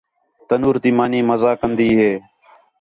تَنُور تی مانی مزہ کندی ہے